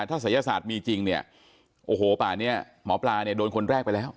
ถ้าศัยศาสตร์มีจริงเนี่ยโอ้โหป่านี้หมอปลาเนี่ยโดนคนแรกไปแล้ว